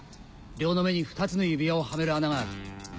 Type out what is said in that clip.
両の目に２つの指輪をはめる穴がある。